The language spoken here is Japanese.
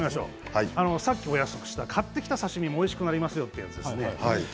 買ってきた刺身もおいしくなりますよというやつですね。